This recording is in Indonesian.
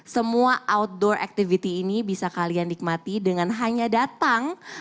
semua outdoor activity ini bisa kalian nikmati dengan hanya datang